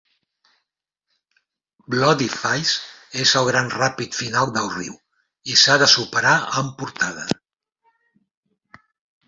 Bloody Falls és el gran ràpid final del riu, i s'ha de superar amb portada.